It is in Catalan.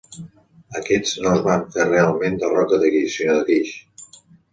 Aquests no es fan realment de roca de guix, sinó de guix.